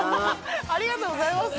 ありがとうございます